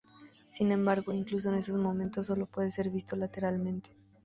Sin embargo, incluso en esos momentos solo puede ser visto lateralmente.